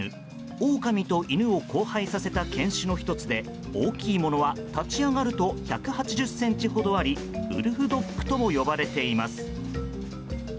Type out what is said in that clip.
オオカミと犬を交配させた犬種の１つで大きいものは、立ち上がると１８０ｃｍほどありウルフドッグとも呼ばれています。